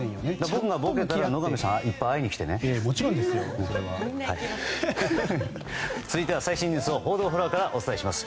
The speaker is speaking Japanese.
僕がぼけたら野上さんいっぱい会いに来てね。続いては最新ニュースを報道フロアからお伝えします。